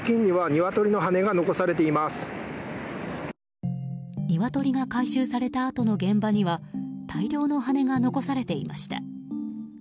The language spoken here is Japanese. ニワトリが回収されたあとの現場には大量の羽根が残されていました。